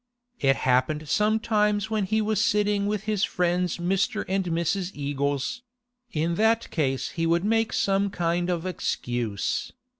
It happened sometimes when he was sitting with his friends Mr. and Mrs. Eagles; in that case he would make some kind of excuse.